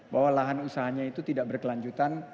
bahwa lahan usahanya itu tidak berkelanjutan